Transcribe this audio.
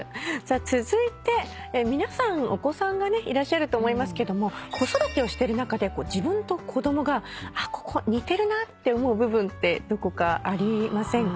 続いて皆さんお子さんがいらっしゃると思いますけども子育てをしてる中で自分と子供がここ似てるなって思う部分どこかありませんか？